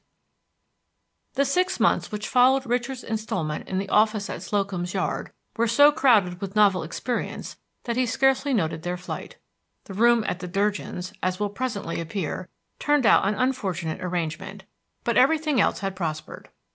VIII The six months which followed Richard's installment in the office at Slocum's Yard were so crowded with novel experience that he scarcely noted their flight. The room at the Durgins, as will presently appear, turned out an unfortunate arrangement; but everything else had prospered.